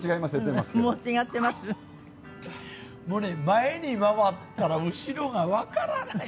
もうね前に回ったら後ろがわからないの。